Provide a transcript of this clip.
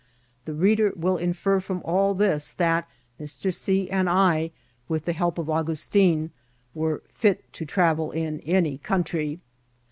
The reader will infer from all this that Mr. C. and I, with the help of Augustin, were fit to travel in any country.